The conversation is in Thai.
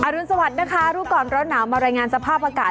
รุนสวัสดิ์นะคะรู้ก่อนร้อนหนาวมารายงานสภาพอากาศ